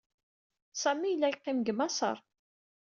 Sami yella yeqqim deg Maṣer.